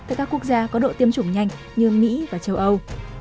tại các quốc gia có độ tiêm chủng nhanh như mỹ và châu âu